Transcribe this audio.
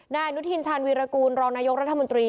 นายอนุทินชาญวีรกูลรองนายกรัฐมนตรี